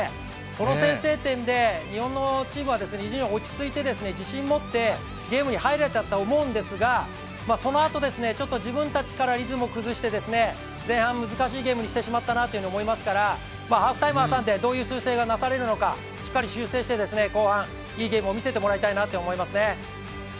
この先制点で日本のチームは非常に落ち着いて自信を持ってゲームに入れたと思うんですが、そのあと、ちょっと自分たちからリズムを崩して前半難しいゲームにしてしまったなと思いますからハーフタイムを挟んでどういう修正がなされるのか、しっかり修正して、後半いいゲームを見せてもらいたいなと思いますね。